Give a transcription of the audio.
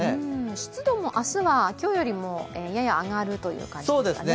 湿度も明日は今日よりもやや上がるという感じですかね。